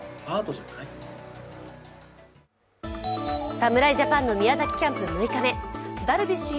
侍ジャパンの宮崎キャンプ６日目ダルビッシュ有